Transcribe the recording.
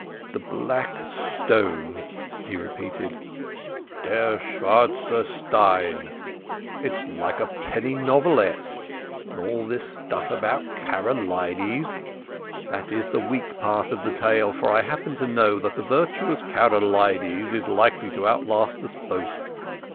"The Black Stone," he repeated. "Der Schwarze Stein. It's like a penny novelette. And all this stuff about Karolides. That is the weak part of the tale, for I happen to know that the virtuous Karolides is likely to outlast us both.